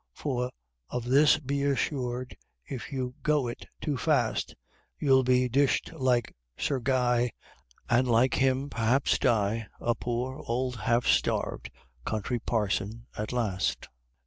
For of this be assured, if you "go it" too fast, You'll be "dished" like Sir Guy, And like him, perhaps, die A poor, old, half starved Country Parson at last!